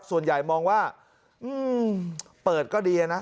ส่วนใหญ่มองว่าเปิดก็ดีนะ